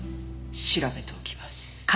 調べておきます。